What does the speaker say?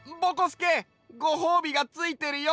すけごほうびがついてるよ！